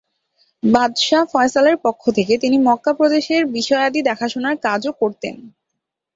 বাদশাহ ফয়সালের পক্ষ থেকে তিনি মক্কা প্রদেশের বিষয়াদি দেখাশোনার কাজও করতেন।